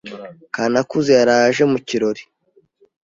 Kanakuze yaraye aje mu kirori.